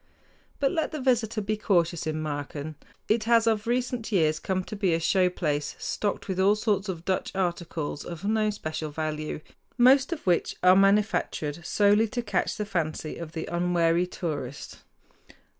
But let the visitor be cautious in Marken. It has of recent years come to be a show place, stocked with all sorts of Dutch articles of no special value, most of which are manufactured solely to catch the fancy of the unwary tourist.